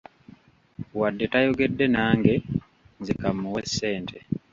Wadde tayogedde nange, nze ka muwe ssente.